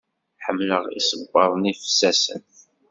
Ḥemmleɣ isebbaḍen ifsasen.